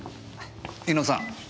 猪野さん。